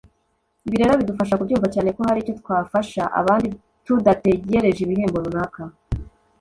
Ibi rero bidufasha kubyumva cyane ko hari icyo twafasha abandi tudategereje ibihembo runaka